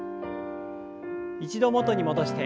一度元に戻して。